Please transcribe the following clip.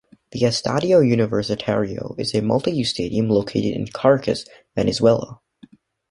The Estadio Universitario is a multi-use stadium located in Caracas, Venezuela.